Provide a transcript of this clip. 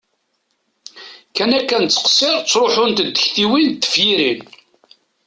Kan akka nettqeṣṣiṛ ttṛuḥunt-d tiktiwin d tefyirin!